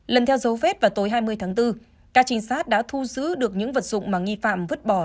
lần theo dấu vết vào tối hai mươi tháng bốn các trinh sát đã thu giữ được những vật dụng mà nghi phạm vứt bỏ